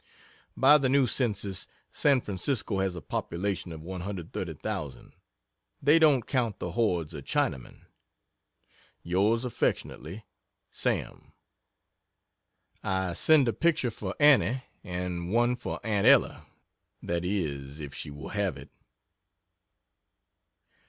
By the new census, San Francisco has a population of 130,000. They don't count the hordes of Chinamen. Yrs aftly, SAM. I send a picture for Annie, and one for Aunt Ella that is, if she will have it.